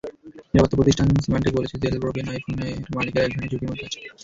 নিরাপত্তা প্রতিষ্ঠান সিমানটেক বলেছে, জেলব্রোকেন আইফোনের মালিকেরা একধরনের ঝুঁকির মধ্যে আছে।